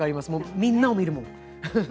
みんなを見るもん。